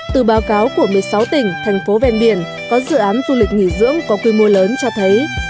từ báo cáo của một mươi sáu tỉnh thành phố ven biển có dự án du lịch nghỉ dưỡng có quy mô lớn cho thấy